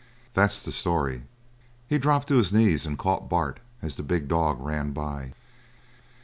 That's the story." He dropped to his knees and caught Bart as the big dog ran by.